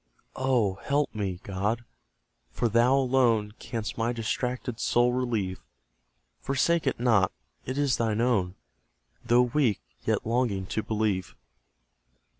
Oh, help me, God! For thou alone Canst my distracted soul relieve; Forsake it not: it is thine own, Though weak, yet longing to believe.